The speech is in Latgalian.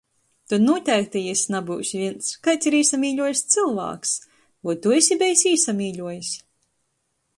Tod nūteikti jis nabyus vīns. Kaids ir īsamīļuojs cylvāks? Voi tu esi bejs īsamīļuojs?